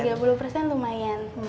tiga puluh persen lumayan